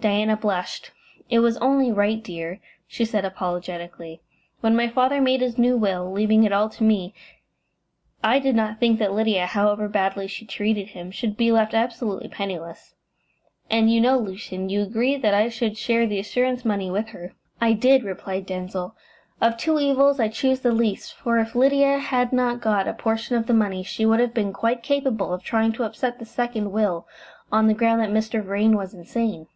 Diana blushed. "It was only right, dear," she said, apologetically. "When my father made his new will, leaving it all to me, I did not think that Lydia, however badly she treated him, should be left absolutely penniless. And you know, Lucian, you agreed that I should share the assurance money with her." "I did," replied Denzil. "Of two evils I chose the least, for if Lydia had not got a portion of the money she would have been quite capable of trying to upset the second will on the ground that Mr. Vrain was insane."